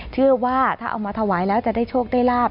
เชื่อว่าถ้าเอามาถวายแล้วจะได้โชคได้ลาบ